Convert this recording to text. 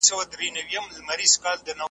چي په هغو کي « زموږ شهید سوي عسکر» .